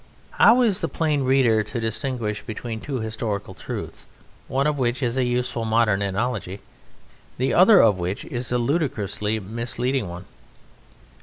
How is the plain reader to distinguish between two historical truths, one of which is a useful modern analogy, the other of which is a ludicrously misleading one?